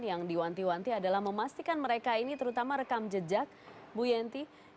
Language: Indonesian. yang diwanti wanti adalah memastikan mereka ini terutama rekam jejak bu yenti